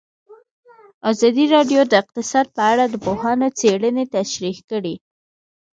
ازادي راډیو د اقتصاد په اړه د پوهانو څېړنې تشریح کړې.